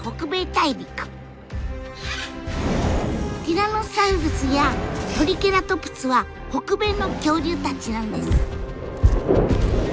ティラノサウルスやトリケラトプスは北米の恐竜たちなんです。